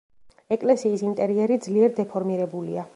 ეკლესიის ინტერიერი ძლიერ დეფორმირებულია.